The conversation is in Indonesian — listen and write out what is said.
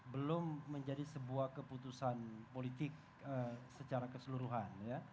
belum menjadi sebuah keputusan politik secara keseluruhan